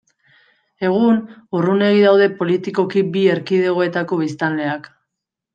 Egun, urrunegi daude politikoki bi erkidegoetako biztanleak.